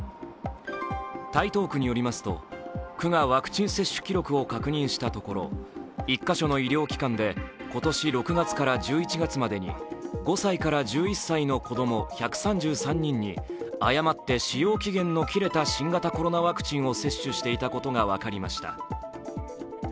台東区によりますと、区がワクチン接種記録を確認したところ１か所の医療機関で今年６月から１１月までに５歳から１１歳の子供１３３人に誤って使用期限の切れた新型コロナワクチンを接種していたことが分かりました。